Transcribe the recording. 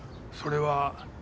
それは？